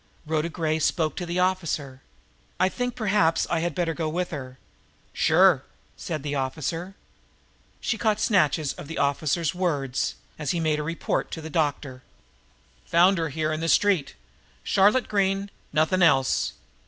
Rhoda Gray spoke to the officer: "I think perhaps I had better go with her." "Sure!" said the officer. She caught snatches of the officer's words, as he made a report to the doctor: "Found her here in the street...Charlotte Green...nothing else...